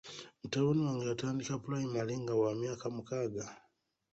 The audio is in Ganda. Mutabani wange yatandika pulayimale nga wa myaka mukaaga.